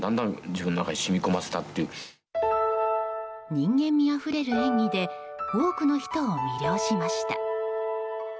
人間味あふれる演技で多くの人を魅了しました。